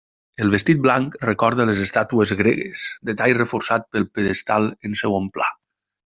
El vestit blanc recorda les estàtues gregues, detall reforçat pel pedestal en segon pla.